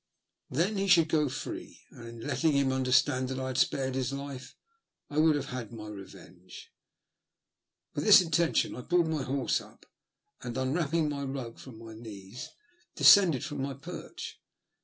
Then he should go free, and in letting him understand that I had spared his life I would have my revenge. With this intention I pulled my horse up, and, unwrapping my rug from my knees, de scended from my perch.